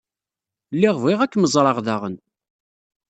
Lliɣ bɣiɣ ad kem-ẓreɣ daɣen.